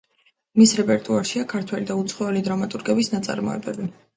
მის რეპერტუარშია ქართველი და უცხოელი დრამატურგების ნაწარმოებები.